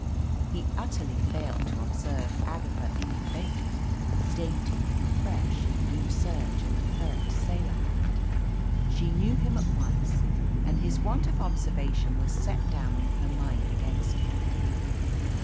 He utterly failed to observe Agatha Ingham Baker, dainty and fresh in blue serge and a pert sailor hat. She knew him at once, and his want of observation was set down in her mind against him.